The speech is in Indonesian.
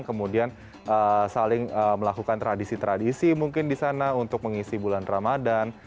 kemudian saling melakukan tradisi tradisi mungkin di sana untuk mengisi bulan ramadan